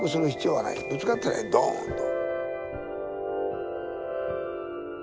ぶつかったらいいドーンと。